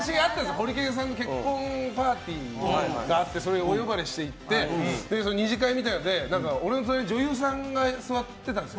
ホリケンさんの結婚パーティーがあってそれにお呼ばれして行って２次会みたいなので俺の隣、女優さんが座ってたんですよ。